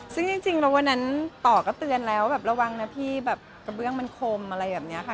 ซึ่งจริงแล้ววันนั้นต่อก็เตือนแล้วแบบระวังนะพี่แบบกระเบื้องมันคมอะไรแบบนี้ค่ะ